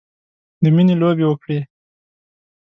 د میینې لوبې وکړې